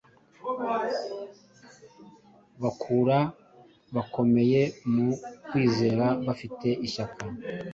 bakura, bakomeye mu kwizera, bafite ishyaka